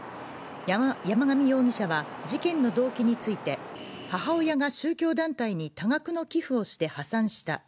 山上容疑者は事件の動機について、母親が宗教団体に多額の寄付をして、破産した。